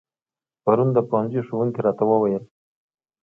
پرون د پوهنځي ښوونکي راته و ويل